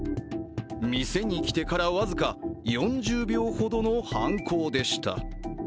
店に来てから僅か４０秒ほどの犯行でした。